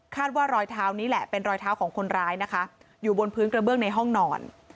ว่ารอยเท้านี้แหละเป็นรอยเท้าของคนร้ายนะคะอยู่บนพื้นกระเบื้องในห้องนอน